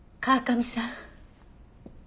川上さん。